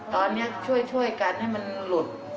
ตอนนี้ช่วยกันให้มันหลุด